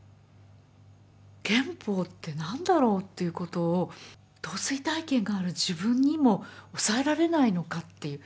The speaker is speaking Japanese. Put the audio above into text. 憲法って何だろうっていうことを統帥大権がある自分にも抑えられないのかっていう